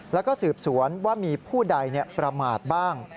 แล้วก็สืบสวนว่ามีผู้ใดประมาทบ้าง